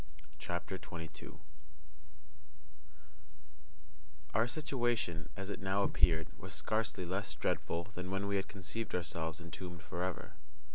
CHAPTER 22 Our situation, as it now appeared, was scarcely less dreadful than when we had conceived ourselves entombed forever.